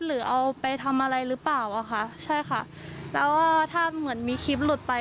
หรือเอาไปทำอะไรหรือเปล่าแล้วถ้าเหมือนมีคลิปหลุดไป